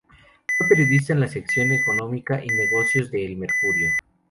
Fue periodista en la sección de Economía y Negocios de El Mercurio.